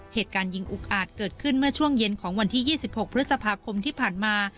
เหตุการณ์ยิงอุกอาจเกิดขึ้นเมื่อช่วงเย็นของวันที่๒๖พฤษภาคมที่ผ่านมา